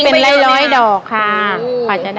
พี่ดาขายดอกบัวมาตั้งแต่อายุ๑๐กว่าขวบ